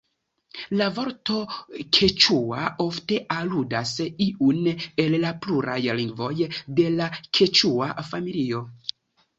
La vorto "keĉua" ofte aludas iun el la pluraj lingvoj de la keĉua familio.